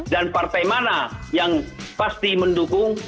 dan partai mana yang pasti mendukung